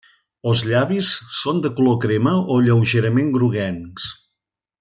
Els llavis són de color crema o lleugerament groguencs.